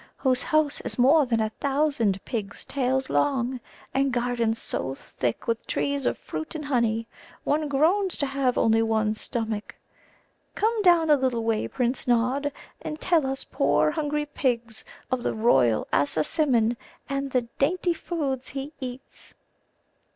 whose house is more than a thousand pigs' tails long; and gardens so thick with trees of fruit and honey, one groans to have only one stomach. Come down a little way, Prince Nod, and tell us poor hungry pigs of the royal Assasimmon and the dainty food he eats."